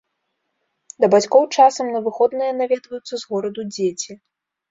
Да бацькоў часам на выходныя наведваюцца з гораду дзеці.